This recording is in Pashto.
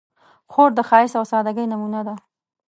خور د ښایست او سادګۍ نمونه ده.